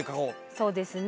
そうですね。